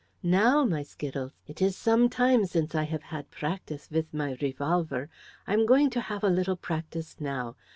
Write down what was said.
"Now, my Skittles, it is some time since I have had practice with my revolver; I am going to have a little practice now.